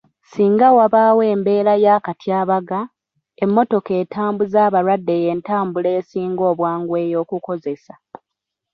Singa wabaawo embeera y'akatyabaga, emmotoka etambuza abalwadde y'entambula esinga obwangu ey'okukozesa.